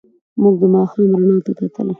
موږ د ماښام رڼا ته کتل.